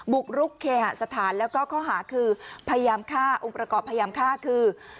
บุกรุกเคหสถานแล้วก็ข้อหาคือพยายามฆ่าองค์ประกอบพยายามฆ่าคือ